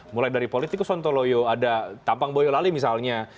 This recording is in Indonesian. mulai dari politikus sontoloyo ada tampang boyolali misalnya